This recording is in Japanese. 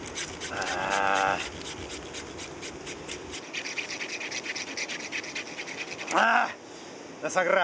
なあさくら。